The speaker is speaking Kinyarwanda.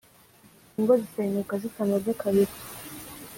ingo zisenyuka zitamaze kabiri